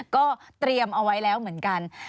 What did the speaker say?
ก็เตรียมเอาไว้แล้วเหมือนกัน